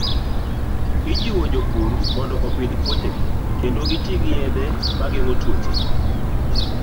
Ijiwo jopur mondo opidh puothegi kendo giti gi yedhe ma geng'o tuoche.